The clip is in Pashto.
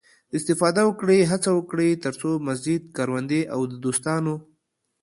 استفاده وکړئ، هڅه وکړئ، تر څو مسجد، کروندې او د دوستانو